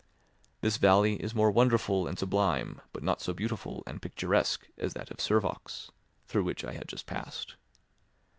This valley is more wonderful and sublime, but not so beautiful and picturesque as that of Servox, through which I had just passed.